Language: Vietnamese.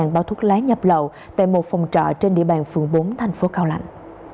hai báo thuốc lá nhập lậu tại một phòng trọ trên địa bàn phường bốn thành phố cao lãnh